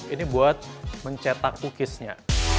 ini buat mencetak cookiesnya